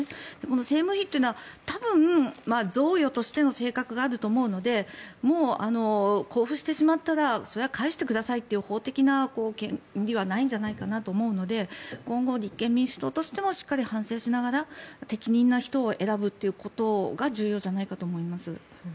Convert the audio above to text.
政務費というのは多分、贈与としての性格があると思うのでもう交付してしまったらそれは返してくださいという法的な権利はないと思うので今後、立憲民主党としてもしっかり反省をしながら適任の人を選ぶということが重要じゃないかと思います。